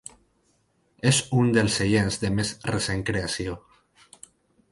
És un dels seients de més recent creació.